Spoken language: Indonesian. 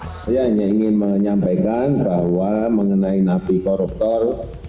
saya hanya ingin menyampaikan bahwa mengenai nabi koruptor